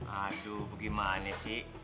aduh gimana sih